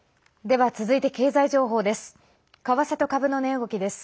では続いて経済情報です。